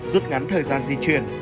rút ngắn thời gian di chuyển